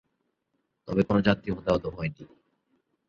তবে কোন যাত্রী হতাহত হয়নি।